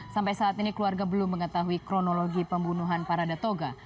sampai saat ini keluarga belum mengetahui kronologi pembunuhan parada toga